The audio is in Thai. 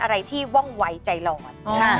อะไรที่ว่องไว้ใจหลอน